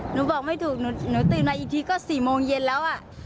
หนูบอกไม่ถูกหนูตื่นมาอีกทีก็๔โมงเย็นแล้ว